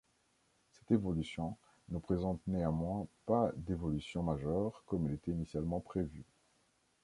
Cette évolution ne présente néanmoins pas d'évolution majeure comme il était initialement prévu.